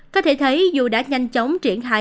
có thể thấy dù đã nhanh chóng triển thai